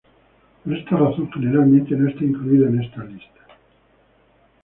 Por esta razón, generalmente no está incluido en esta lista.